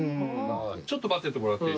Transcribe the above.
ちょっと待っててもらっていいですか。